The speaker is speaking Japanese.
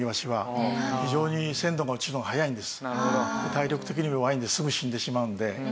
体力的にも弱いのですぐ死んでしまうので。